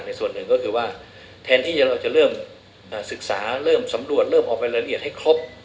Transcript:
ส่วนหนึ่งก็คือว่าแทนที่เราจะเริ่มศึกษาเริ่มสำรวจเริ่มออกไปรายละเอียดให้ครบ